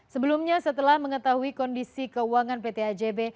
sebelumnya setelah mengetahui kondisi keuangan pt ajb